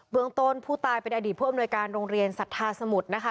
เมืองต้นผู้ตายเป็นอดีตผู้อำนวยการโรงเรียนสัทธาสมุทรนะคะ